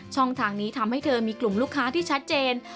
ช่องทางนี้ทำให้เธอมีกลุ่มลูกค้าที่ชัดเจน